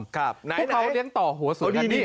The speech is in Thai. พวกเขาเลี้ยงต่อหัวเสือ